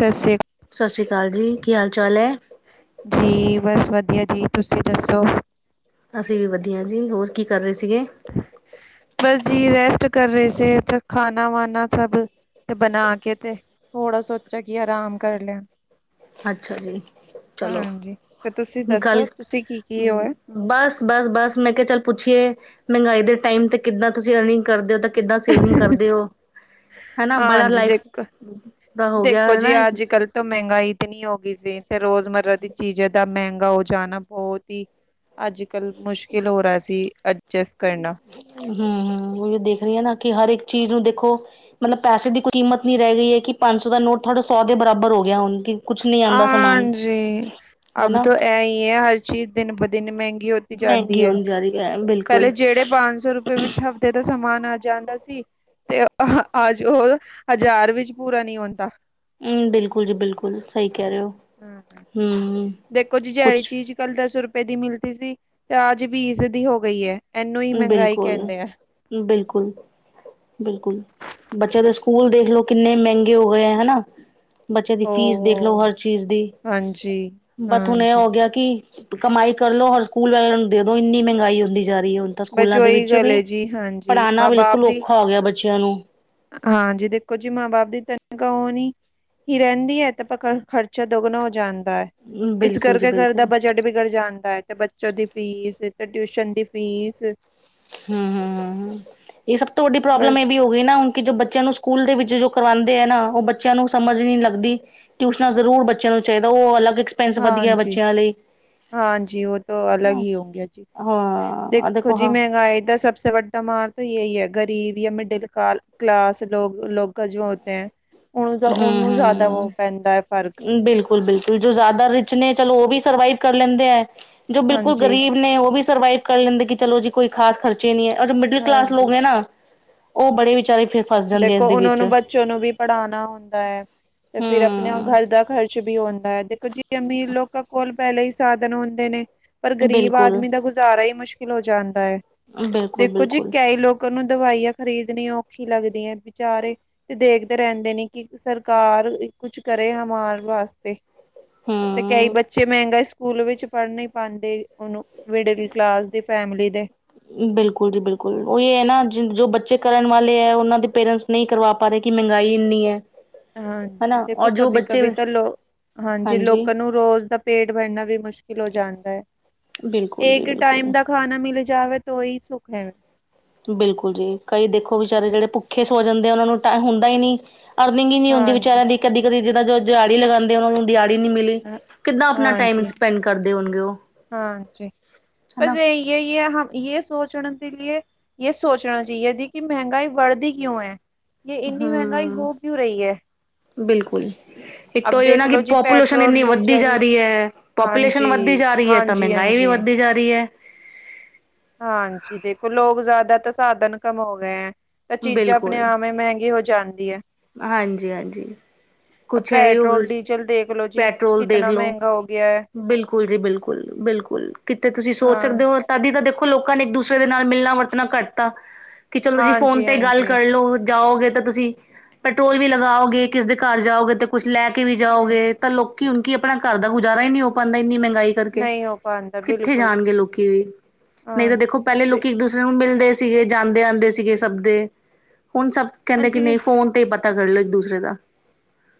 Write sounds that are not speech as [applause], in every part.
ਤੁਸੀਂ। ਸਾਸਰੀ ਕਾਲ ਜੀ, ਕੀ ਹਾਲ-ਚਾਲ ਐ? ਜੀ, ਬਸ ਵਧੀਆ ਜੀ। ਤੁਸੀਂ ਦੱਸੋ? ਅਸੀਂ ਵੀ ਵਧੀਆ ਜੀ। ਹੋਰ ਕੀ ਕਰ ਰਹੇ ਸੀਗੇ? ਬਸ ਜੀ, ਰੈਸਟ ਕਰ ਰਹੇ ਸੇ ਤੇ ਖਾਨਾ-ਵਾਨਾ ਸਭ ਤੇ ਬਣਾ ਕੇ ਤੇ, ਥੋੜ੍ਹਾ ਸੋਚਿਆ ਕੀ ਆਰਾਮ ਕਰ ਲਿਆ। ਅੱਛਾ ਜੀ ਚਲੋ ਹਾਂਜੀ ਤੇ ਤੁਸੀਂ ਦੱਸੋ, ਤੁਸੀਂ ਕੀ-ਕੀ ਹੋਏ? ਬਸ-ਬਸ, ਬਸ ਮੈਂ ਕਿਹਾ ਚੱਲ ਪੁੱਛੀਏ, ਮਹਿੰਗਾਈ ਦੇ ਟਾਈਮ ਤੇ, ਕਿੱਦਾਂ ਤੁਸੀਂ ਅਰਨਿੰਗ ਕਰਦੇ ਤਾਂ ਕਿੱਦਾਂ ਸੇਵਿੰਗ ਕਰਦੇ ਓ, ਹੈਨਾ। ਬੜਾ ਹਾਂਜੀ ਲਾਈਫ ਦੇਖੋ ਦਾ ਹੋਗਿਆ ਏ ਨਾ ਤੋਂ ਮਹਿੰਗਾਈ ਇਤਨੀ ਹੋ ਗਈ ਸੀ। ਫਿਰ ਰੋਜ਼ਮਰਾ ਦੀ ਚੀਜ਼ ਇਦਾਂ ਮਹਿੰਗਾ ਹੋ ਜਾਣਾ, ਬਹੁਤ ਈ ਅੱਜ-ਕੱਲ੍ਹ ਮੁਸ਼ਕਿਲ ਹੋ ਰਾ ਸੀ, ਐਡਜਸਟ ਕਰਨਾ। ਹੂੰ-ਹੂੰ, ਉਹ ਵੀ ਦੇਖ ਰਹੀ ਆ ਨਾ ਕਿ, ਹਰ ਇੱਕ ਚੀਜ਼ ਨੂੰ ਦੇਖੋ ਮਤਲਬ ਪੈਸੇ ਦੀ ਕੋਈ ਕੀਮਤ ਨੀ ਰਹਿਗੀ ਏ ਕਿ, ਪੰਜ ਸੌ ਦਾ ਨੋਟ ਥੋਹਾਡਾ ਸੌ ਦੇ ਬਰਾਬਰ ਹੋ ਗਿਆ ਹੁਣ ਕੁਛ ਨਹੀਂ ਆਉਂਦਾ ਸਮਾਨ ਆਂਜੀ, ਅਬ ਹਨਾ ਤੋ ਐਈਐਂ, ਹਰ ਚੀਜ਼ ਦਿਨ-ਬ-ਦਿਨ ਮੈਹਿੰਗੀ ਹੋ ਤੀ ਜਾਂਦੀ ਮਹਿੰਗੀ ਐ। ਹੋਣੀ ਜਾ ਰਹੀ ਹੈ ਬਿਲਕੁਲ ਪਹਿਲੇ ਜਿਹੜੇ ਪਾਂਜ ਸੌ ਰੁਪਏ ਵਿੱਚ ਹਫ਼ਤੇ ਦਾ ਸਮਾਨ ਆ ਜਾਂਦਾ ਸੀ ਤੇ ਓ ਅਹਾ, ਅੱਜ ਉਹ ਹਜ਼ਾਰ ਵਿੱਚ ਪੂਰਾ ਨੀ ਹੁੰਦਾ। ਹੂੰ, ਬਿਲਕੁਲ ਜੀ, ਬਿਲਕੁਲ, ਸਹੀ ਕਹਿ ਰੇ ਓ, ਹੂੰ। ਦੇਖੋ ਜੀ, ਜੇਹੜੀ ਕੁਛ ਚੀਜ਼ ਕੱਲ੍ਹ ਦਸ ਰੁਪਏ ਦੀ ਮਿਲਤੀ ਸੀ ਤੇ ਆਜ ਬੀਸ ਦੀ ਹੋ ਗਈ ਐ। ਬਿਲਕੁਲ-ਬਿਲਕੁਲ। ਬਿਲਕੁਲ, ਬੱਚਿਆਂ ਦੇ ਸਕੂਲ ਦੇਖਲੋ, ਕਿੰਨੇ ਮੈਹਿੰਗੇ ਹੋਗੇ ਆ ਹਨਾ। ਬੱਚਿਆ ਦੀ ਫ਼ੀਸ ਦੇਖਲੋ, ਉਹ ਹਰ ਚੀਜ਼ ਦੀ, ਹਾਂਜੀ, ਬਟ ਹੁਣ ਐਹ ਹਾਂਜੀ ਹੋ ਗਿਆ ਕੀ ਕਮਾਈ ਕਰ ਲੋ, ਹਰ ਸਕੂਲ ਵੇਲਿਆ ਨੂੰ ਦੇ ਦੋ, ਇੰਨੀ ਮਹਿੰਗਾਈ ਹੁੰਦੀ ਜਾ ਰਹੀ ਹੁਣ। ਤਾਂ ਬਸ ਸਕੂਲਾਂ ਦੇ ਉਹੀ ਵਿੱਚ ਗੱਲ ਵੀ, ਹੈ ਜੀ ਹਾਂਜੀ ਪੜ੍ਹਾਣਾ ਮਾਂ ਬਾਪ ਬਿਲਕੁਲ ਦੀ ਔਖਾ ਹੋ ਗਿਆ ਬੱਚਿਆਂ ਨੂੰ। ਹਾਂਜੀ ਦੇਖੋ ਜੀ, ਮਾਂ-ਬਾਪ ਦੀ ਤਨਖ਼ਾਹ ਹੋਨੀ ਹੀ ਰਹਿੰਦੀ ਐ ਤੇ ਆਪਾਂ ਖ਼ਰਚਾ ਦੋਗਣਾ ਹੋ ਜਾਂਦ ਦਾ, ਇਸ ਬਿਲਕੁਲ ਜੀ ਕਰਕੇ ਘਰ ਦਾ ਬਿਲਕੁਲ। ਬਜਟ ਵਿਗੜ ਜਾਂਦਾ ਐ ਤੇ ਬ ਬੱਚੋ ਦੀ ਫੀਸ ਤੇ ਟਿਊਸ਼ਨ ਦੀ ਫੀਸ ਹੂੰ-ਹੂੰ, ਹੂੰ-ਹੂੰ, ਇਹ ਸਭ ਤੋਂ ਵੱਡੀ ਪ੍ਰੋਬਲਮ ਇਹ ਬਸ ਵੀ ਹੋ ਵੀ ਨਾ ਹੁਣ ਕਿ ਜੋ ਬੱਚਿਆਂ ਨੂੰ ਸਕੂਲ ਦੇ ਵਿੱਚ ਜੋ ਕਰਵਾਉਂਦੇ ਐ ਨਾ, ਉਹ ਬੱਚਿਆਂ ਨੂੰ ਸਮਝ ਈ ਨੀ ਲੱਗਦੀ। ਟਿਊਸ਼ਨਾਂ ਜ਼ਰੂਰ ਬੱਚਿਆਂ ਨੂੰ ਚਾਹੀਦਾ, ਉਹ ਅਲਗ ਹਾਂਜੀ-ਹਾਂਜੀ, ਉਹ ਤੋਂ ਅਲਗ ਹਨਾ ਹੀ ਹੋਗਿਆ ਜੀ। ਹਾਂ। ਦੇਖੋ ਜੀ, ਮਹਿੰਗਾਈ ਦਾ ਸਭ ਸੇ ਵੱ ਟਮਾਂਰ ਤੋਂ ਜੇਹੀ ਐ, ਗ਼ਰੀਬ ਜਾਂ ਮਿਡਿਲ ਕਾਲ-ਕਲਾਸ ਲੋਗ-ਲੋਗਾ ਜੋ ਹੋਤੇ। ਉਹਨੂੰ ਜ਼ਾ ਹੂੰ ਉਹਨੂੰ ਜ਼ਿਆਦਾ ਵੋ ਪੈਂਦਾ ਏ ਫ਼ਰਕ। ਬਿਲਕੁਲ-ਬਿਲਕੁਲ, ਜੋ ਜ਼ਿਆਦਾ ਰਿਚ ਨੇ ਚਲੋ ਉਹ ਵੀ ਸਰਵਾਈਵ ਕਰ ਲੈਂਦੇ ਐ, ਜੋ ਬਿਲਕੁਲ ਹਾਂਜੀ ਗ਼ਰੀਬ ਨੇ ਉਹ ਵੀ ਸਰਵਾਈਵ ਕਰ ਲੈਂਦੇ ਕਿ ਚਲੋ ਜੀ ਕੋਈ ਖ਼ਾਸ ਖ਼ਰਚੇ ਨੀ ਐ, ਅ ਜੋ ਮਿਡਲ ਕਲਾਸ ਹਾਂਜੀ ਲੋਕ ਐ ਨਾ ਉਹ ਬੜੇ ਵਿਚਾਰੇ ਫਿਸ ਦੇਖੋ ਉਹਨਾਂ ਨੂੰ ਬੱਚੋਂ ਨੂੰ ਵੀ ਪੜ੍ਹਾਣਾ ਹੁੰਦਾ ਐ ਤੇ ਫਿਰ ਆਪਣੇ ਹੂੰ ਘਾਰ ਦਾ ਖ਼ਰਚ ਵੀ ਹੁੰਦਾ। ਦੇਖੋ ਜੀ ਕਿ ਅਮੀਰ ਲੋਕਾਂ ਕੋਲ ਪਹਿਲੇ ਹੀ ਸਾਧਨ ਹੁੰਦੇ ਨੇ, ਪਰ ਗ਼ਰੀਬ ਬਿਲਕੁਲ ਆਦਮੀ ਦਾ ਗੁਜ਼ਾਰਾ ਹੀ ਮੁਸ਼ਕਿਲ। ਹੋ ਜਾਂਦਾ ਹੈ। ਬਿਲਕੁਲ ਦੇਖੋ ਜੀ ਬਿਲਕੁਲ ਕਈ ਲੋਕਾਂ ਨੂੰ ਦਵਾਈਆਂ ਖਰੀਦਣੀ ਔਖੀ। ਲੱਗਦੀ ਹੈ। ਵਿਚਾਰੇ। ਤੇ, ਦੇਖਦੇ ਰਹਿੰਦੇ ਨੇ ਕਿ ਸਰਕਾਰ ਕੁਛ ਕਰੇ ਹਮਾਰੇ ਵਾਸਤੇ। ਤੇ, ਕਈ ਹੂੰ ਬੱਚੇ ਮਹਿੰਗਾ। ਸਕੂਲ ਵਿੱਚ ਪੜ੍ਹਨ ਪਾਉਂਦੇ। ਉਹਨੂੰ ਮਿਡਲ ਕਲਾਸ ਦੀ ਫੈਮਿਲੀ ਦੇ। ਬਿਲਕੁਲ ਜੀ ਬਿਲਕੁਲ, ਉਹ ਇਹ ਹੈ, ਨਾ ਜੋ ਬੱਚੇ ਕਰਨ ਵਾਲੇ ਹੈ। ਉਹਨਾਂ ਦੇ ਪੇਰੈਂਟਸ ਨਹੀਂ ਕਰਵਾ ਪਾ ਰਹੇ, ਕਿ ਮਹਿੰਗਾਈ ਇੰਨੀ ਹੈ। ਹਨਾ ਹਾਂਜੀ, ਦੇਖੋ ਔਰ ਜੋ ਕਭੀ ਬੱਚੇ ਕਭੀ ਤਾਂ ਲੋਕ ਹਾਂਜੀ ਲੋਕਾਂ ਨੂੰ ਰੋਜ਼ ਦਾ ਪੇਟ ਭਰਨਾ ਵੀ ਮੁਸ਼ਕਿਲ ਹੋ ਜਾਂਦਾ ਹੈ। ਬਿਲਕੁਲ ਜੀ ਇੱਕ ਟਾਈਮ ਬਿਲਕੁਲ ਦਾ ਖਾਣਾ ਮਿਲੇ ਜਾਵੇ, ਤਾਂ ਉਹੀ ਸੁੱਖ ਹੈ। ਬਿਲਕੁਲ ਜੀ, ਕਈ ਦੇਖੋ ਵਿਚਾਰੇ ਜਿਹੜੇ ਭੁੱਖੇ ਸੋ ਜਾਂਦੇ ਆ, ਉਹਨਾਂ ਨੂੰ ਟਾਇਮ ਹੁੰਦਾ ਹੀ ਨਹੀਂ। ਅਰਨਿੰਗ ਹੀ ਨਹੀਂ ਹੁੰਦੀ, ਹਾਂਜੀ ਵਿਚਾਰਿਆਂ ਦੀ ਕਦੀ ਕਦੀ ਜਿੱਦਾਂ ਜੋ ਦਿਹਾੜੀ ਲਗਾਉਂਦੇ, ਉਹ ਨੂੰ ਦਿਹਾੜੀ। ਨਹੀਂ ਮਿਲੀ, ਹਾਂ ਕਿੱਦਾਂ ਆਪਣਾ ਟਾਈਮ ਹਾਂਜੀ ਸਪੈਂਡ ਕਰਦੇ ਹੋਣਗੇ। ਉਹ ਹਾਂਜੀ ਹਨਾ। [unintelligible] ਇਹ ਸੋਚਣਾ ਚਾਹੀਏ‌, ਕਿ ਮਹਿੰਗਾਈ ਵੜਦੀ ਕਿਉਂ ਹੈ। ਯੇ ਹੂ, ਇੰਨੀ ਮਹਿੰਗਾਈ ਹੋ ਕਿਉਂ ਰਹੀ ਹੈ। ਬਿਲਕੁਲ ਜੀ। ਇੱਕ ਅਬ ਤੋਂ ਇਹ ਨਾ ਦੇਖ ਕਿ ਲੋ ਜੀ ਪਾਪੂਲੇਸ਼ਨ ਪੈਟਰੋਲ ਇੰਨੀ ਵੱਧਦੀ ਜਾ ਡੀਜ਼ਲ ਰਹੀ ਹੈ, ਪਾਪੂਲੇਸ਼ਨ ਹਾਂਜੀ ਵੱਧਦੀ ਜਾ ਰਹੀ ਹੈ। ਤਾਂ, ਹਾਂਜੀ ਮਹਿੰਗਾਈ ਵੀ ਹਾਂਜੀ ਵੱਧਦੀ ਜਾ ਰਹੀ ਹੈ। ਹਾਂਜੀ, ਦੇਖੋ ਲੋਕ ਜ਼ਿਆਦਾ ਤਾਂ ਸਾਧਨ ਕਮ ਗਏ ਹੈ, ਤਾਂ ਚੀਜ਼ਾਂ ਆਪਣੇ ਆਪਵੇ ਮਹਿੰਗੀ ਹੋ ਜਾਏ। ਜਾਂਦੀ ਹੈ। ਹਾਂਜੀ-ਹਾਂਜੀ, ਕੁਛ ਇਹੀ ਹੋ ਪੈਟਰੋਲ ਦੇਖ ਲਓ। ਬਿਲਕੁਲ ਜੀ ਬਿਲਕੁਲ-ਬਿਲਕੁਲ, ਕਿੱਥੇ ਤੁਸੀਂ ਸੋਚ ਸਕਦੇ ਹੋ। ਤਦੀ ਤਾਂ ਦੇਖੋ ਲੋਕਾਂ ਨੇ ਇੱਕ ਦੂਸਰੇ ਦੇ ਨਾਲ ਮਿਲਣਾ ਵਰਤਣਾ ਘੱਟਤਾ। ਕਿ ਚਲੋ ਤੁਸੀਂ ਫ਼ੋਨ ਹਾਂਜੀ 'ਤੇ ਗੱਲ ਹਾਂਜੀ ਕਰ ਲਓ ਜਾਓਗੇ ਤਾਂ ਤੁਸੀਂ। ਪੈਟਰੋਲ ਵੀ ਲਗਾਓਗੇ ਕਿਸ ਦੇ ਘਰ ਜਾਓਗੇ ਤੇ ਕੁਛ ਲੈ ਕੇ ਵੀ ਹਮ ਜਾਓਗੇ। ਤਾਂ, ਲੋਕੀ ਹੁਣ ਕਿ ਆਪਣਾ ਘਰ ਦਾ ਗੁਜ਼ਾਰਾ ਹੀ ਨਹੀਂ ਹੋ ਪਾਉਂਦਾ। ਇੰਨੀ ਮਹਿੰਗਾਈ। ਕਰਕੇ ਨਹੀਂ ਹੋ ਪਾਉਂਦਾ ਕਿੱਥੇ ਬਿਲਕੁਲ ਜੀ ਜਾਣਗੇ। ਲੋਕੀ ਬਿਲਕੁਲ ਵੀ ਨਹੀਂ ਤਾਂ ਹਾਂਜੀ ਦੇਖੋ ਪਹਿਲੇ ਦੇ ਲੋਕੀ ਇੱਕ ਦੂਸਰੇ। ਮਿਲਦੇ ਸੀਗੇ, ਜਾਂਦੇ-ਆਉਂਦੇ ਸੀਗੇ, ਸਭ ਦੇ ਹੁਣ ਸਭ ਕਹਿੰਦੇ, ਕਿ ਹਾਂਜੀ ਨਹੀਂ ਫੋਨ ਪਤਾ ਕਰ ਲਓ। ਇੱਕ ਦੂਸਰੇ ਦਾ।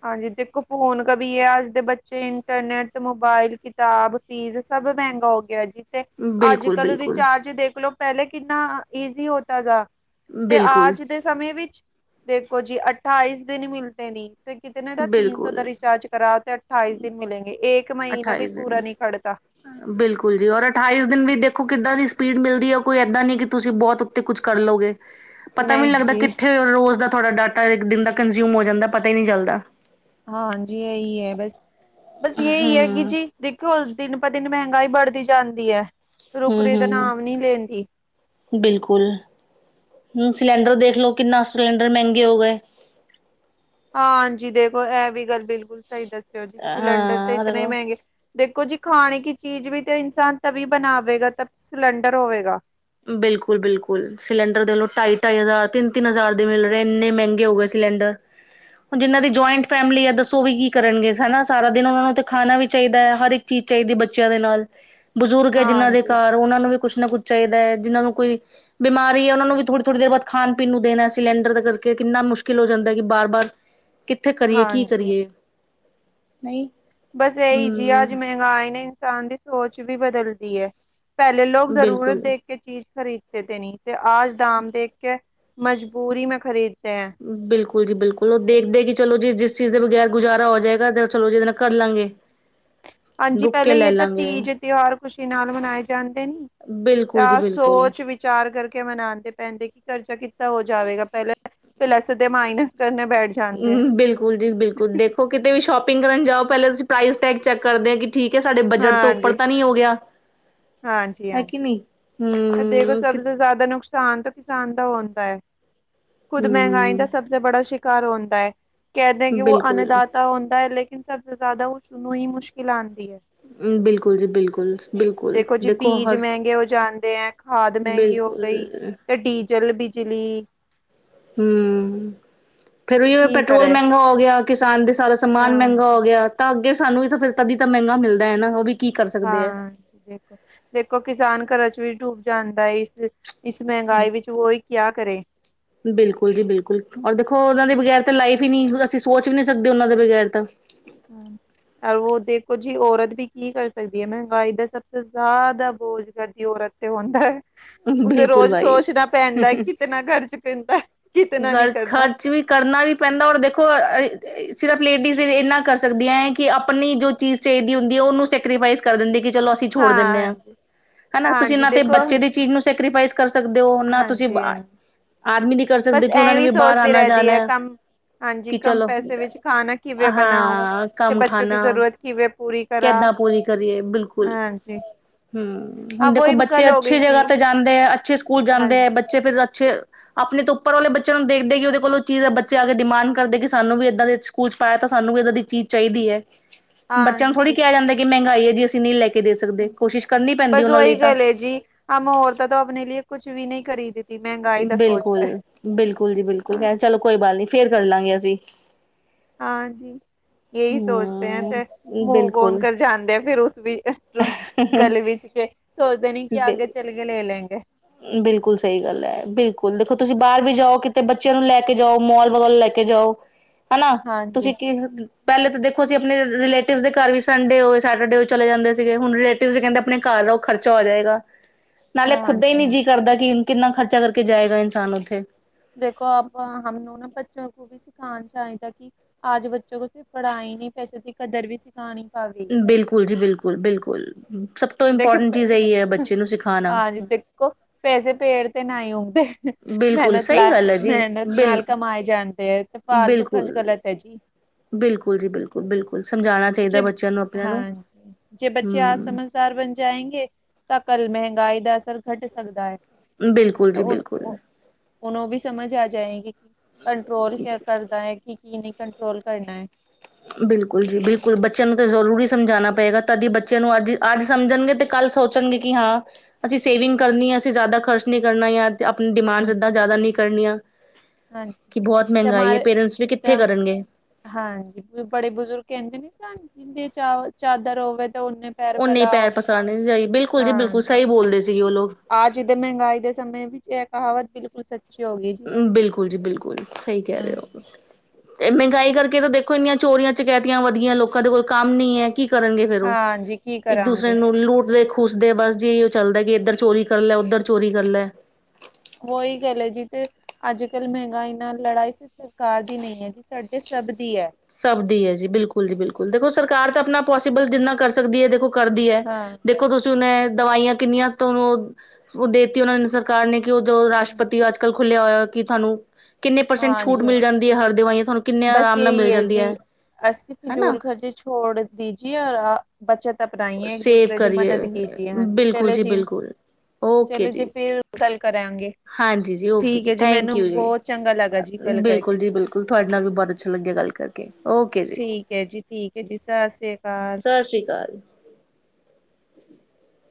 ਹਾਂਜੀ, ਦੇਖੋ ਫੋਨ ਕਭੀ ਵੀ ਹੈ ਅੱਜ ਦੇ ਬੱਚੇ ਇੰਟਰਨੈਟ ਮੋਬਾਇਲ ਕਿਤਾਬ। ਚੀਜ਼, ਸਭ ਮਹਿੰਗਾ ਹੋ‌ ਗਿਆ ਜੀ। ਤੇ, ਅੱਜ ਬਿਲਕੁਲ ਕੱਲ ਬਿਲਕੁਲ ਰਿਚਾਰਜ ਦੇਖਲੋ, ਪਹਿਲੇ ਕਿੰਨਾ ਈਜ਼ੀ ਹੋਤਾ ਥਾ। ਤੇ ਬਿਲਕੁਲ ਆਜ ਦੇ ਸਮੇਂ ਵਿੱਚ ਦੇਖੋ ਜੀ, ਅਠਾਈਸ ਦਿਨ ਮਿਲਦੇ ਨੀ। ਤੇ, ਕਿਤੇ ਨਾ ਦਾ ਤਿੰਨ ਸੌ ਦਾ ਬਿਲਕੁਲ ਰਿਚਾਰਜ ਕਰਾ ਤੇ ਅਠਾਈਸ ਦਿਨ ਮਿਲਲੇਗੇ। ਇੱਕ ਅਠਾਈਸ ਦਿਨ ਬਿਲਕੁਲ ਜੀ, ਔਰ ਅਠਾਈਸ ਦਿਨ ਵੀ ਦੇਖੋ ਕਿੱਦਾਂ ਦੀ ਸਪੀਡ ਮਿਲਦੀ ਹੈ। ਕੋਈ ਇੱਦਾਂ ਨਹੀਂ ਕਿ ਤੁਸੀਂ ਬਹੁਤ ਉੱਤੇ ਕੁੱਛ ਕਰ ਲਓਗੇ। ਪਤਾ ਵੀ ਨਹੀਂ ਲੱਗਦਾ, ਕਿੱਥੇ ਰੋਜ਼ ਦਾ ਤੁਹਾਡਾ ਡਾਟਾ ਇੱਕ ਦਿਨ ਦਾ ਕੰਜਿਮ ਹੋ ਜਾਂਦਾ। ਪਤਾ ਹੀ ਨਹੀ ਚੱਲਦਾ। ਹਾਂਜੀ, ਇਹੀ ਹੈ ਬਸ, ਬਸ ਇਹੀ ਹੈ ਕਿ ਜੀ। ਦੇਖੋ, ਦਿਨ ਪ ਦਿਨ ਮਹਿੰਗਾਈ ਵੜਦੀ ਜਾਂਦੀ ਐ, ਹਮ ਰੁਕਰੀ ਦਾ ਨਾਮ ਹਮ ਨੀ ਲੈਂਦੀ। ਬਿਲਕੁਲ, ਸਿਲੰਡਰ ਦੇਖ ਲਓ। ਕਿੰਨਾ ਸਿਲੰਡਰ ਮਹਿੰਗੇ ਹੋ ਗਏ। ਹਾਂ‌। ਹਾਂਜੀ, ਦੇਖੋ ਇਹ ਵੀ ਗੱਲ ਬਿਲਕੁਲ, ਸਹੀ ਦੱਸਿਓ ਜੀ, ਸਿਲੰਡਰ ਤੇ ਹਾਂ ਇਤਨ ਦੇਖੋ ਮਹਿੰਗੇ। ਦੇਖੋ ਜੀ, ਖਾਣੇ ਕੀ ਚੀਜ਼ ਵੀ ਤੇ ਇਨਸਾਨ ਤਵੀ ਬਣਾਵੇਗਾ, ਤਵ ਸਿਲੰਡਰ ਹੋਵੇਗਾ। ਬਿਲਕੁਲ- ਬਿਲਕੁਲ, ਸਿਲੰਡਰ ਦੇਖ ਲੋ ਢਾਈ-ਢਾਈ ਹਜ਼ਾਰ, ਤਿੰਨ-ਤਿੰਨ ਹਜ਼ਾਰ, ਦੇ ਮਿਲ ਰਹੇ ਇੰਨੇ ਮਹਿੰਗੇ ਹੋ ਗਏ ਸੀ। ਸਿਲੰਡਰ। ਹੁਣ ਜਿਨ੍ਹਾਂ ਦੀ ਜੋਆਇੰਟ ਫੈਮਲੀ ਐ, ਦੱਸੋ ਉਹ ਵੀ ਕੀ ਕਰਨਗੇ, ਹਨਾ। ਸਾਰਾ ਦਿਨ ਉਹਨਾਂ ਨੂੰ ਤੇ ਖਾਣਾ ਵੀ ਚਾਹੀਦਾ ਐ। ਹਰ ਇੱ ਚੀਜ਼ ਚਾਈਦੀ ਬੱਚਿਆਂ ਦੇ ਨਾਲ ਬਜ਼ੁਰਗ ਐ ਜਿਨਾਂ ਦੇ ਹਾਂਜੀ। ਘਰ ਓਨਾਂ ਨੂੰ ਵੀ ਕੁੱਛ ਨਾ ਕੁੱਛ ਚਾਈ ਜਿਨਾਂ ਨੂੰ ਕੋਈ ਬਿਮਾਰੀ ਐ। ਉਹਨਾਂ ਨੂੰ ਵੀ ਥੋੜ੍ਹੀ-ਥੋੜੀ ਦੇਰ ਬਾਅਦ ਖਾਣ-ਪੀਣ ਨੂੰ ਦੇਣਾ। ਸਿਲੰਡਰ ਦਾ ਕਰਕੇ ਕਿੰਨਾ ਮੁਸ਼ਕਿਲ ਹੋ ਜਾਂਦਾ ਐ, ਕਿ ਬਾਰ-ਬਾਰ ਕਿੱਥੇ ਕਰੀਏ? ਕੀ ਹਾਂਜੀ ਕਰੀਏ? ਨਹੀਂ ਬਸ ਐਈ ਜੀ ਅੱਜ ਮਹਿੰਗਾਈ ਨੇ ਇਨਸਾਨ ਦੀ ਸੋਚ ਵੀ ਬਦਲਤੀ ਐ। ਪਹਿਲੇ ਲੋਕ ਜ਼ਰੂਰਤ ਬਿਲਕੁਲ। ਦੇਖ ਕੇ ਚੀਜ਼ ਖ਼ਰੀਦਦੇ ਤੇ ਨੀ, ਤੇ ਆਜ ਦਾਮ ਦੇਖ ਕੇ। ਮਜਬੂਰੀ ਮੇਂ ਖ਼ਰੀਦਦੇ ਤੇ ਹੈ। ਬਿਲਕੁਲ ਜੀ, ਬਿਲਕੁਲ। ਉਹ ਦੇਖਦੇ ਕਿ ਚਲੋ ਜੀ, ਜਿਸ ਚੀਜ਼ ਦੇ ਬਗੈਰ ਗੁਜ਼ਾਰਾ ਹੋਜੇਗਾ। ਚਲੋ, ਜੀਦੇ ਨਾਲ ਕਰਲਾਂ ਗੇ। ਹਾਂਜੀ। ਪਹਿਲੇ ਇਹ ਤਾਂ ਤੀਜ ਤਿਹਾਰ ਖ਼ੁਸ਼ੀ ਨਾਲ ਮਨਾਏ ਜਾਂਦੇ ਨੇ। ਬਿਲਕੁਲ ਜੀ ਤਾਂ ਬਿਲਕੁਲ ਸੋਚ ਵਿੱਚ ਚਾਰ ਕਰਕੇ ਮਨਾਦੇ ਪੈਂਦੇ ਕਿ ਕਰਜ਼ਾ ਕਿੰਨਾ ਹੋ ਜਾਵੇਗਾ। ਪੈਲਾਂ ਪਲੱਸ ਦੇ ਮਾਈਨਸ ਕਰਨੇ ਬੈਠ ਜਾਂਦੇ ਆ ਹਮ। ਬਿਲਕੁਲ ਜੀ, ਬਿਲਕੁਲ, ਦੇਖੋ ਕਿਤੇ ਵੀ ਸ਼ੋਪਿੰਗ ਕਰਨ ਜਾਓ, ਪਹਿਲੇ ਤੁਸੀਂ ਪ੍ਰਾਈਸ ਟੈਕ ਚੈੱਕ ਕਰਦੇ ਠੀਕ ਐ, ਸਾਡੇ ਬਜ਼ਟ ਤੋਂ ਉੱਪਰ ਤਾਂ ਨੀ ਹੋ ਗਿਆ। ਹਾਂਜੀ-ਹਾਂਜੀ। [inaudible] ਦੇਖੋ ਹਮ ਸਭ ਸੇ ਜ਼ਿਆਦਾ ਨੁਕ ਕਿਸਾਨ ਤੋਂ ਕਿਸਾਨ ਦਾ ਹੁੰਦਾ ਏ। ਖੁੱਦ ਮਹਿੰਗਾਈ ਹਮ ਦਾ ਸਭ ਤੋਂ ਬੜਾ ਸ਼ਿਕਾਰ ਹੁੰਦਾ ਏ। ਕਹਿਦੇ ਕਿ ਉਹ ਬਿਲਕੁਲ ਅੰਨਦਾਤਾ ਹੁੰਦਾ ਏ। ਲੇਕਿਨ ਸਬ ਸੇ ਜ਼ਿਆਦਾ ਉਸਣੂ ਹੀ ਮੁਸ਼ਕਿਲ ਆਉਂਦੀ ਏ। ਬਿਲਕੁਲ ਜੀ, ਬਿਲਕੁਲ-ਬਿਲਕੁਲ, ਜੀ ਦੇਖੋ ਬੀਜ ਹਰਸ ਮਹਿੰਗੇ ਹੋ ਜਾਂਦੇ ਐ, ਖਾਦ ਮਹਿੰਗੀ ਹੋ ਗਈ ਫੇਰ ਡੀਜ਼ਲ, ਬਿਜਲੀ ਹੂੰ, ਫੇਰ ਜੋ ਕੀ ਪੈਟਰੋਲ ਕਰੇ ਮਹਿੰਗਾ ਹੋ ਗਿਆ ਕਿਸਾਨ ਦੇ ਸਾਰੇ ਸਮਾਨ ਹਾਂਜੀ ਮਹਿੰਗਾ ਹੋ ਗਿਆ, ਤਾਂ ਅੱਗੇ ਸਾਨੂੰ ਵੀ ਤਾਂ ਫੇਰ ਤਦੀ ਤਾਂ ਮਹਿੰਗਾ ਮਿਲਦਾ ਐ ਨਾ। ਉਹ ਵੀ ਕੀ ਕਰ ਸਕਦੇ ਹੈ ਹਾਂਜੀ। ਦੇਖੋ-ਦੇਖੋ ਕਿਸਾਨ ਕਰਜ਼ 'ਚ ਵੀ ਡੁਬ ਜਾਂਦਾ ਏ। ਇਸ ਇਸ ਮਹਿੰਗਾਈ ਵਿੱਚ ਓਈ ਕਿਆ ਕਰੇ? ਬਿਲਕੁਲ ਜੀ, ਬਿਲਕੁਲ ਔਰ ਦੇਖੋ ਓਨਾਂ ਦੇ ਬਗੈਰ ਤਾਂ ਲਾਈਫ ਈ ਨਈ ਅਸੀਂ ਸੋਚ ਵੀ ਨੀ ਸਕਦੇ ਓਨਾਂ ਦੇ ਬਗੈਰ ਤਾਂ ਹੂੰ, ਔਰ ਵੋ ਦੇਖੋ ਜੀ ਔਰਤ ਵੀ ਕੀ ਕਰ ਸਕਦੀ ਐ। ਮਹਿੰਗਾਈ ਦਾ ਸਭ ਸੇ ਜ਼ਾਦਾ ਬੋਝ ਕਰਦੀ ਔਰਤ। ਤੇ ਉਹ ਆਂਦਾ ਐ। ਉਸੇ ਬਿਲਕੁਲ ਰੋਜ਼ ਬਾਈ ਸੋਚਣਾ ਪੈਂਦਾ ਕਿਤਨਾ ਖ਼ਰਚ ਤੇਂਦਾ। ਗਰ ਖਰਚ ਵੀ ਕਰਨਾ ਵੀ ਪੈਂਦਾ। ਔਰ ਦੇਖੋ ਅ ਸਿਰਫ਼ ਲੇਡੀਜ਼ ਏਨਾਂ ਕਰ ਸਕਦੀਆਂ ਐ, ਕਿ ਆਪਣੀ ਜੋ ਚੀਜ਼ ਚਾਈਦੀ ਹੁੰਦੀ ਐ ਓਨੂੰ ਸੈਕਰੀਫਾਈਸ ਕਰ ਦਿੰਦੀ ਕਿ ਚਲੋ ਅਸੀਂ ਛੋੜ ਦਿੰਨੇ ਆ ਹਾਂਜੀ ਹਨਾ ਤੁਸੀਂ ਹਾਂਜੀ ਏਨਾਂ ਤੇ ਦੇਖੋ ਬੱਚੇ ਹਾਂਜੀ ਦੀ ਚੀਜ਼ ਨੂੰ ਸੈਕਰੀਫਾਈਸ ਕਰ ਸਕਦੇ ਓ ਨਾ ਤੁਸੀਂ ਹਾਂਜੀ ਆਦਮੀ ਦੀ ਕਰ ਸਕਦੇ ਬਸ ਕਿ ਉਹਨਾਂ ਨੇ ਐਵੇਂ ਵੀ ਬਾਹਰ ਸੋਚਦੀ ਰਹਿੰਦੀ ਹੈ ਆਣਾ-ਜਾਂਣਾ। ਕੰਮ ਹਾਂਜੀ ਕਿ ਕਮ ਚਲੋ ਪੈਸੇ ਹੁੰਦਾ, ਵਿੱਚ ਖਾਣਾ ਕਿਵੇਂ ਬਣਾਉ ਹਾਂ ਤੇ ਕੰਮ ਬੱਚੋਂ ਕੀ ਖਾਣਾ। ਜ਼ਰੂਰਤ ਕਿਵੇਂ ਪੂਰੀ ਕਰਾ ਕਿੱਦਾਂ ਪੂਰੀ ਕਰੀਏ? ਬਿਲਕੁਲ ਹਾਂਜੀ ਹੂੰ ਹੁਣ ਦੇਖੋ, ਬੱਚੇ ਅੱਛੀ ਜਗ੍ਹਾ ਤੇ ਜਾ ਆਂਦੇ ਹੈ। ਅੱਛੇ ਸਕੂਲ ਜਾਂਦੇ ਐ। ਹਾਂਜੀ। ਬੱਚੇ ਤੇ ਵੀ ਅੱਛੇ, ਆਪਨੇ ਤੋਂ [unintelligible] ਬੱਚਿਆਂ ਨੂੰ ਦੇਖਦੇ ਕਿ ਓਦੇ ਕੋਲ ਬੱਚੇ ਆਕੇ ਡਿਮਾਂਡ ਕਰਦੇ ਆ ਕਿ ਸਾਨੂੰ ਵੀ ਏਦਾਂ ਦੇ ਸਕੂਲ ਚ ਪਾਇਆ ਤਾਂ ਸਾਨੂੰ ਵੀ ਏਦਾਂ ਦੀ ਚੀਜ ਚਾਈਦੀ ਐ ਬੱਚਿਆਂ ਨੂੰ ਥੋੜੀ ਹਾਂਜੀ। ਕਿਆ ਜਾਂਦਾ ਕਿ ਮਹਿੰਗਾਈ ਐ ਜੀ ਅਸੀ ਨਈ ਲੈਕੇ ਕੇ ਦੇ ਸਕਦੇ, ਕੋਸ਼ਿਸ਼ ਕਰਨੀ ਪੈਂਦੀ ਆ ਓਨਾਂ ਲਈ ਤਾਂ। [unintelligible] ਜੀ। ਹਮ ਔਰਤੇ ਤੋ ਅਪਨੇ ਲੀਏ ਕੁੱਛ ਵੀ ਨ੍ਹੀਂ ਖਰੀਦ ਬਿਲਕੁਲ-ਬਿਲਕੁਲ ਜੀ ਬਿਲਕੁਲ, ਖੈਰ ਚਲੋ ਕੋਈ ਗੱਲ ਨੀ। ਫਿਰ ਕਰ ਲਾਂਗੇ ਅਸੀ। ਹਾਂਜੀ। ਯਹੀ ਸੋਚਤੇ ਹੈਂ ਤੇ ਹੂੰ, ਮੂੰਵ ਔਨ ਬਿਲਕੁਲ, ਕਰ ਜਾਂਦੇ ਫੇਰ ਉਸ ਦੀ ਉਸ ਚੋ। ਗਲੀ ਵਿੱਚ ਕੇ ਸੋਚਦੇ ਨੀ, ਕਿ ਆਗੇ ਬਿਲ ਚਲਕੇ ਲੇ ਲੇਂਗੇ। ਬਿਲਕੁਲ ਸਹੀ ਗੱਲ ਹੈ ਬਿਲਕੁਲ ਦੇਖੋ ਤੁਸੀ ਬਾਹਰ ਵੀ ਜਾਓ, ਕਿਤੇ ਬੱਚਿਆਂ ਨੂੰ ਲੈ ਕੇ ਜਾਓ ਮੋਲ ਵਗੈਰਾ ਲੈ ਕੇ ਜਾਓ। ਹਨਾ, ਤੁਸੀ ਹਾਂਜੀ। ਕਿਵੇਂ ਪਹਿਲੇ ਤੇ ਦੇਖੋ ਅਸੀ ਆਪਨੇ ਰਿਲੇਟਿਵਜ਼ ਦੇ ਘਰ ਵੀ ਸੰਡੇ ਹੋਏ, ਸੈਟਰਡੇ ਹੋਏ, ਚਲੇ ਜਾਂਦੇ ਸੀਗੇ, ਹੁਨ ਰੇ ਲੇਟਿਵ ਵੀ ਕਹਿੰਦਾ ਆਪਣੇ ਘਰ ਰਹੋ। ਖਰਚਾ ਹੋ ਜਾਏਗਾ। ਨਾਲੇ ਹਾਂ ਖੁਦ ਦਾ ਹੀ ਨੀ ਹਾਂਜੀ-ਹਾਂਜੀ। ਜੀਅ ਕਰਦਾ ਕੀ ਹੁਨ, ਕਿੰਨਾ ਖਰਚਾ ਕਰਕੇ ਜਾਏਗਾ ਇਨਸਾਨ ਉੱਥੇ? ਦੇਖੋ ਅਬ ਹਮ ਨੂੰ ਨਾ, ਬੱਚੋਂ ਕੋ ਵੀ। ਸਿਖਾਉਨਾ ਚਾਹਿਦਾ ਕਿ, ਆਜ ਬੱਚੋਂ ਕੋ ਸਿਰਫ ਪੜਾਹੀ ਨਹੀਂ, ਪੈਸੇ ਸੀ ਕਦਰ ਵੀ ਸਿਖਾਨੀ ਪੜਰੀ। ਬਿਲਕੁਲ ਜੀ, ਬਿਲਕੁਲ-ਬਿਲਕੁਲ, ਸਭ ਤੋਂ ਇੰਪੋਰਟੈਂਟ ਚੀਜ਼ ਇਹੀ ਹੈ ਬੱਚੇ ਨੂੰ ਸਿਖਾਉਨਾ। ਕਹੋ, ਪੈਸੇ ਪੇੜ ਤੇ ਨਾ ਹੀ ਉਗਦੇ। ਬਿਲਕੁਲ ਮਿਹਨਤ ਸਹੀ ਲਾ, ਗੱਲ ਹੈ ਜੀ ਮਿਹਨਤ ਬਿਲ ਨਾਲ ਕਮਾਏ ਜਾਂਦੇ ਏ। ਤੇ ਫਾਲਤੂ ਖਰਚ ਬਿਲਕੁਲ ਗਲਤ ਹੈ ਜੀ। ਬਿਲਕੁਲ ਜੀ, ਬਿਲਕੁਲ-ਬਿਲਕੁਲ ਸਮਝਾਉਣਾ ਜੇ ਚਾਹੀਦਾ ਬੱਚਿਆਂ ਨੂੰ, ਆਪਨਿਆ ਨੂੰ, ਹਾਂਜੀ ਬੱਚੇ ਜੇ ਹੂੰ। ਆਜ ਸਮਝਦਾਰ ਬਨ ਜਾਏਂਗੇਂ, ਤਾ ਕੱਲ ਮਹਿੰਗਾਈ ਦਾ ਅਸਰ ਘੱਟ ਸਕਦਾ ਹੈ। ਬਿਲਕੁਲ ਤੇ ਜੀ ਹੁਣ, ਬਿਲਕੁਲ। ਓਹ ਉਹਨੂੰ ਵੀ ਸਮਝ ਆ ਜਾਏਗੀ, ਕੰਟਰੋਲ ਕਯਾ ਕਰਦਾ ਹੈ, ਕਿ-ਕੀ ਨਹੀਂ ਕੰਟਰੋਲ ਕਰਨਾ ਹੈ। ਬਿਲਕੁਲ ਜੀ, ਬਿਲਕੁਲ ਬੱਚਿਆਂ ਨੂੰ ਤੇ ਜ਼ਰੂਰੀ ਸਮਝਾਉਨਾ ਪਏਗਾ। ਤਦੀ ਬੱਚਿਆਂ ਨੂੰ ਅੱਜ, ਅੱਜ ਸਮਝਣਗੇ। ਤੇ ਕੱਲ ਸੋਚਨਗੇ ਕਿ ਹਾਂ ਅਸੀ ਸੇਵਿੰਗ ਕਰਨੀ ਹੈ। ਅਸੀ ਜ਼ਿਆਦਾ ਖਰਚ ਨੀ ਕਰਨਾ। ਯਾਂ ਤੇ ਆਪਨੀ ਡਿਮਾਂਡਸ, ਇਹਦਾਂ ਜਿਆਦਾ ਨਹੀਂ ਕਰਨੀਆਂ। ਹਾਂਜੀ ਕਿ ਬਹੁਤ ਤੇ ਮਹਿੰਗਾਈ ਹੈ। ਹਮਾਰੇ ਪੇਰੈਂਟਸ ਵੀ ਤੇ ਕਿੱਥੇ ਹਮ ਕਰਨਗੇ? ਹਾਂਜੀ, ਬੜੇ ਬੁਜ਼ੁਰਗ ਕਹਿੰਦੇ ਨੇਂ ਸਾਨੂੰ ਜਿੰਹਨੀਂ ਚਾਵ, ਚਾਦਰ ਹੋਵੇ, ਤੇ ਉਹਨੇ ਪੈਰ ਓਹਨੇਂ ਹੀ ਪੈਰ ਫੈਲਾਓ ਪਸਾਰਨੇ ਚਾਹੀਏ। ਬਿਲਕੁਲ ਜੀ, ਬਿਲਕੁਲ ਸਹੀ ਬੋਲਦੇ ਸੀਗੇ ਉਹ ਲੋਕ। ਆਜ ਇਹਦੇ, ਮਹਿੰਗਾਈ ਦੇ ਸਮੇਂ ਵਿੱਚ ਇਹ ਕਹਾਵਤ ਬਿਲਕੁਲ ਸੱਚੀ ਹੋ ਗਈ ਜੀ। ਬਿਲਕੁਲ ਜੀ, ਬਿਲਕੁਲ ਸਹੀ ਕਹਿ ਰਹੇ ਹੋ। ਹਾਂਜੀ ਇਹ ਮਹਿੰਗਾਈ ਕਰਕੇ ਤਾ ਦੇਖੋ, ਇੰਨੀਆਂ ਚੋਰੀਆਂ ਚਕੈਤੀਆਂ ਵੱਧ ਗਈਆਂ। ਲੋਕਾਂ ਦੇ ਕੋਲ ਕੰਮ ਨਹੀਂ ਹੈ। ਕੀ ਕਰਨਗੇ ਫੇਰ ਉਹ। ਹਾਂਜੀ ਕੀ ਇੱਕ ਕਰਾਂਗੇ ਦੂਸਰੇ ਨੂੰ ਲੂਟ ਦੇ ਖ ਖੂਸਦੇ, ਬਸ ਜੀ ਇਹੀਓ ਚੱਲਦਾ। ਕਿ ਇੱਧਰ ਚੋਰੀ ਕਰ ਲੈ- ਓਧਰ ਚੋਰੀ ਕਰ ਲੈ। ਔਈ ਗਲ ਏ ਜੀ ਤੇ ਅੱਜਕੱਲ ਮਹਿੰਗਾਈ ਨਾਲ ਲੜਾਈ, ਸਿਰਫ ਸਰਕਾਰ ਦੀ ਨਹੀਂ ਹੈ ਜੀ। ਸਾਡੇ ਸਭ ਦੀ ਹੈ। ਸਭ ਦੀ ਹੈ ਜੀ। ਬਿਲਕੁਲ ਜੀ, ਬਿਲਕੁਲ ਦੇਖੋ ਸਰਕਾਰ ਤਾਂ ਆਪਨਾ ਪੋਸੀਬਲ ਜਿੰਨਾ ਕਰ ਸਕਦੀ ਹੈ, ਦੇਖੋ ਕਰਦੀ ਹੈ। ਹਾਂ। ਦੇਖੋ ਤੁਸੀ ਹੁਨ ਇਹ ਦਵਾਈਆਂ ਕਿੰਨੀਆਂ ਤੁਹਾ, ਓਹ ਦੇ ਦੇਤੀ ਉਹਨਾਂ ਨੇਂ। ਸਰ ਕਾਰ ਨੇ, ਕਿ ਉਹਦੋਂ ਹੂੰ। ਰਾਸ਼ਟ੍ਰਪਤੀ ਅੱਜਕੱਲ ਖੁੱਲਿਆ ਹੋਇਆ, ਕਿ ਤੁਹਾਨੂੰ ਕਿੰਨੇ ਪਰਸੈਂਟ ਛੂਟ ਹਾਂਜੀ ਮਿਲ ਜਾਂਦ ਦੀ, ਹਰ ਦਵਾਈਆਂ ਤੁਹਾਨੂੰ ਕਿੰਨੇ ਆਰਾਮ ਨਾਲ ਮਿਲ ਏ ਜਾਂਦੀ ਜੀ, ਹੈ ਅਸੀ ਹਨਾ ਫਿਜੂਲ ਖਰਜੀ ਛੋੜ ਦੀ ਜੀਏ ਔਰ ਆਹ ਬੱਚਤ ਅਪਨਾਈਆਂ, ਇੱਕ ਸੇਵ ਦੂਸਰੇ ਦੀ ਕਰੀਏ ਮਦਦ ਕੀਜਿਏ। ਹਾਂਜੀ ਬਿਲਕੁਲ ਚਲੋ ਜੀ ਜੀਂ। ਬਿਲਕੁਲ ਚਲੋ ਜੀ, ਫੇਰ ਗੱਲ ਕਰਾਂਗੇ। ਹਾਂਜੀ ਜੀ, ਓਕੇ ਠੀਕ ਜੀ ਹੈ ਥੈਂਕ ਮੈਨੂੰ ਯੂ ਜੀ ਬਹੁਤ ਚੰਗਾ ਲੱਗਾ ਆ ਜੀ ਗੱਲ ਕਰਕੇ। ਬਿਲਕੁਲ ਜੀ, ਬਿਲਕੁ ਕੁਲ, ਥੁਆਡੇ ਨਾਲ ਵੀ ਬਹੁਤ ਅੱਛਾ ਲੱਗਿਆ, ਗੱਲ ਕਰ- ਕੇ, ਓਕੇ ਜੀ ਠੀਕ ਹੈ ਜੀ ਠੀਕ ਹੈ ਜੀ ਸਤਿ ਸ੍ਰੀ ਅਕਾਲ। ਸਤਿ ਸ਼੍ਰੀ ਅਕਾਲ। [inaudible]